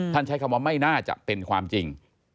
ใช้คำว่าไม่น่าจะเป็นความจริง